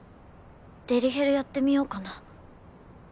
デリヘルやってみようかな。